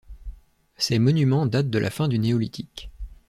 Ces monuments datent de la fin du Néolithique.